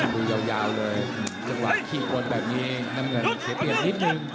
ดูยาวเลยจังหวะขี่บนแบบนี้น้ำเงินเสียเปรียบนิดนึง